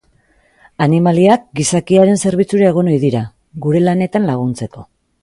Animaliak gizakiaren zerbitzura egon ohi dira, gure lanetan laguntzeko.